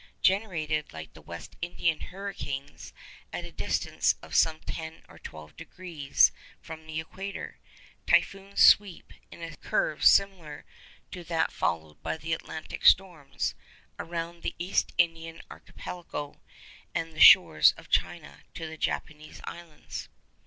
Generated, like the West Indian hurricanes, at a distance of some ten or twelve degrees from the equator, typhoons sweep—in a curve similar to that followed by the Atlantic storms—around the East Indian Archipelago, and the shores of China, to the Japanese Islands.